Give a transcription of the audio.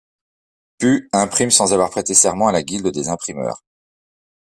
Pue imprime sans avoir prêté serment à la guilde des imprimeurs.